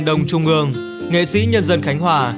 đông trung ương nghệ sĩ nhân dân khánh hòa